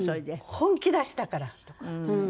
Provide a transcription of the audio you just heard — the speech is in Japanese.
本気出したからうん。